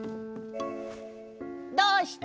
どうして？